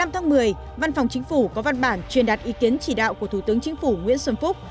một mươi tháng một mươi văn phòng chính phủ có văn bản truyền đạt ý kiến chỉ đạo của thủ tướng chính phủ nguyễn xuân phúc